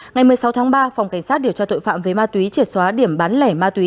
ngày một mươi sáu tháng ba phòng cảnh sát điều tra tội phạm về ma túy triệt xóa điểm bán lẻ ma túy